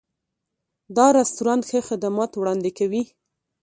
دا رستورانت ښه خدمات وړاندې کوي.